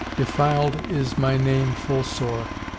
Defiled is my name full sore.